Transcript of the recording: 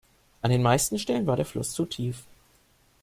An den meisten Stellen war der Fluss zu tief.